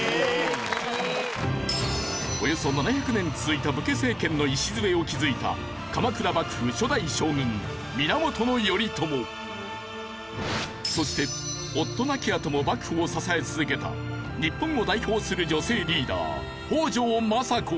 およそ７００年続いた武家政権の礎を築いたそして夫亡きあとも幕府を支え続けた日本を代表する女性リーダー北条政子。